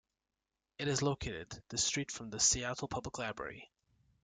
It is located across the street from the Seattle Public Library.